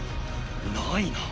ないなぁ。